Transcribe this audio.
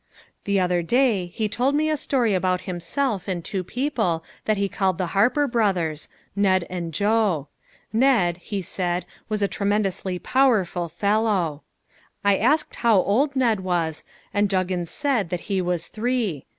The other day he told me a story about himself and two people that he called the Harper brothers, Ned and Joe. Ned, he said was a tremendously powerful fellow. I asked how old Ned was and Juggins said that he was three.